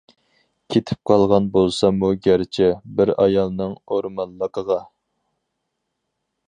كېتىپ قالغان بولساممۇ گەرچە، بىر ئايالنىڭ ئورمانلىقىغا.